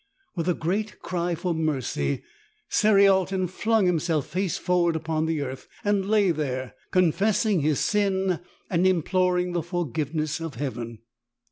With a great cry for mercy Cerialton flung himself face forward upon the earth, and lay there confessing his sin and im ploring the forgiveness of Heaven.